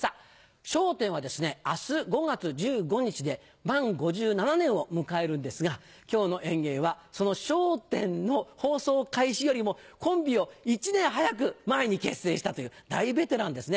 『笑点』は明日５月１５日で満５７年を迎えるんですが今日の演芸はその『笑点』の放送開始よりもコンビを１年早く前に結成したという大ベテランですね。